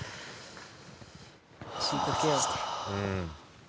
深呼吸。